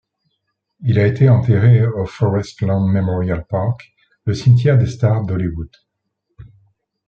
Il a été enterré au Forest Lawn Memorial Park, le cimetière des stars d'Hollywood.